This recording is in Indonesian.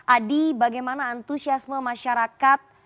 adi bagaimana antusiasme masyarakat